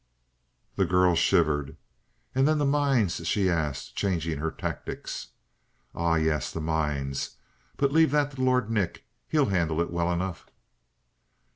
The girl shivered. "And then the mines?" she asked, changing her tactics. "Ah, yes. The mines! But leave that to Lord Nick. He'll handle it well enough!"